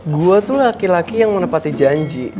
gue tuh laki laki yang menepati janji